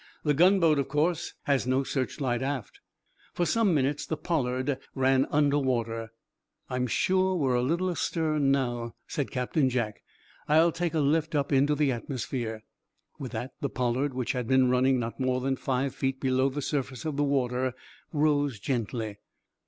The gunboat, of course, has no searchlight aft." For some minutes the "Pollard" ran under water. "I'm sure we're a little astern, now," said Captain Jack. "I'll take a lift up into the atmosphere." With that the "Pollard," which had been running not more than five feet below the surface of the water, rose gently.